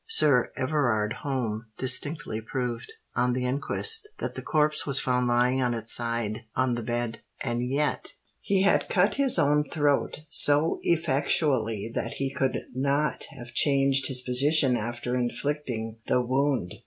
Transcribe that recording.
Sir Everard Home distinctly proved, on the inquest, that the corpse was found lying on its side on the bed; and yet 'he had cut his own throat so effectually that he could not have changed his position after inflicting the wound.'